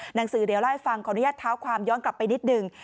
หนังสือเดี๋ยวเล่าให้ฟังขออนุญาตเท้าความย้อนกลับไปนิดหนึ่ง